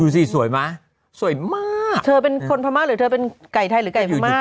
สิสวยไหมสวยมากเธอเป็นคนพม่าหรือเธอเป็นไก่ไทยหรือไก่พม่า